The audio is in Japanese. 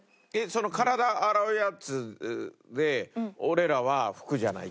その体洗うやつで俺らは拭くじゃない？